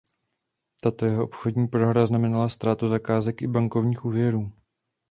Tato jeho obchodní prohra znamenala ztrátu zakázek i bankovních úvěrů.